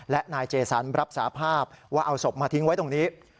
และนายเจสันรับสาภาพว่าเอาศพมาทิ้งไว้ตรงนี้